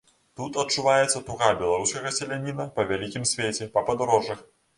Тут адчуваецца туга беларускага селяніна па вялікім свеце, па падарожжах.